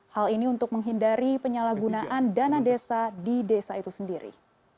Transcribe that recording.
hal ini untuk menghindari penyalahgunaan dana desa di desa itu sendiri